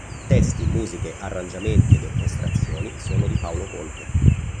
Testi, musiche, arrangiamenti ed orchestrazioni sono di Paolo Conte.